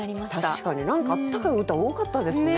確かに何か温かい歌多かったですね。